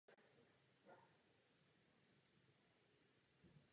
Společnost pracovala také na drážních stavbách v Uhersku.